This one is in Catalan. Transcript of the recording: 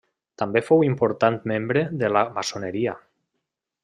També fou important membre de la maçoneria.